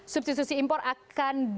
substitusi impor akan di